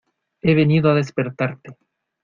he venido a despertarte.